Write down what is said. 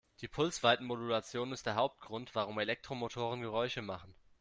Die Pulsweitenmodulation ist der Hauptgrund, warum Elektromotoren Geräusche machen.